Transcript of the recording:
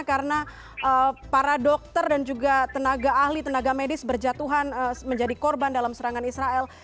karena para dokter dan juga tenaga ahli tenaga medis berjatuhan menjadi korban dalam serangan israel